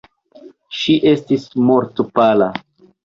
Ŝi estis mortpala.